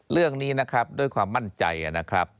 เรื่องนี้นะครับด้วยความมั่นใจนะครับ